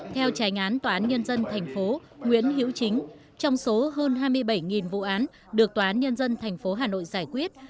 theo trái ngán toán nhân dân tp nguyễn hiễu chính trong số hơn hai mươi bảy vụ án được toán nhân dân tp hà nội giải quyết